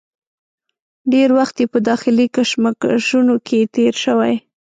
ډېر وخت یې په داخلي کشمکشونو کې تېر شوی.